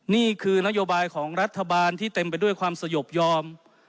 นี่คือนโยบายของรัฐบาลที่เต็มไปด้วยความสยบยอม